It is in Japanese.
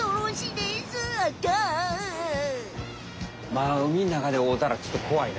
まあ海んなかでおうたらちょっとこわいな。